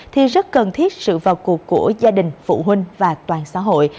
thì rất cần thiết sự vào cuộc của gia đình phụ huynh và toàn xã hội